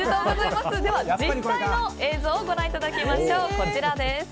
実際の映像をご覧いただきましょう。